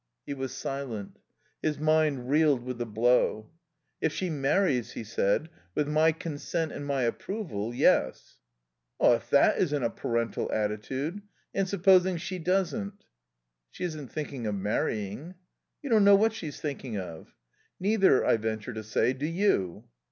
He was silent. His mind reeled with the blow. "If she marries," he said, "with my consent and my approval yes." "If that isn't a parental attitude! And supposing she doesn't?" "She isn't thinking of marrying." "You don't know what she's thinking of." "Neither, I venture to say, do you."